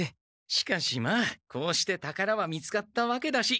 しかしまあこうしてたからは見つかったわけだし。